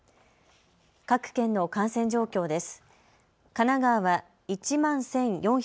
各県の感染状況です。